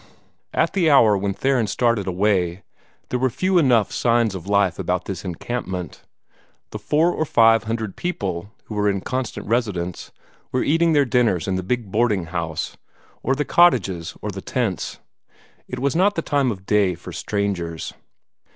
At the hour when Theron started away, there were few enough signs of life about this encampment. The four or five hundred people who were in constant residence were eating their dinners in the big boarding house, or the cottages or the tents. It was not the time of day for strangers.